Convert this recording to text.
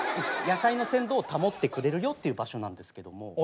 野菜の鮮度を保ってくれるよっていう場所なんですけども。